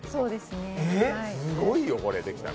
すごいよ、これできたら。